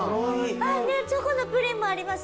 あっねえチョコのプリンもあります。